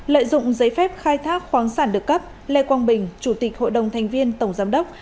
lợi dụng giấy phép khai thác khoáng sản được cấp lê quang bình chủ tịch hội đồng thành viên tổng giám đốc